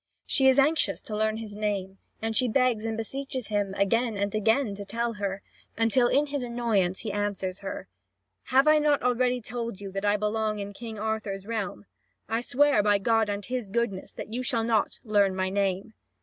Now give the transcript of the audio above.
She is anxious to learn his name, and she begs and beseeches him again and again to tell her, until in his annoyance he answers her: "Have I not already told you that I belong in King Arthur's realm? I swear by God and His goodness that you shall not learn my name."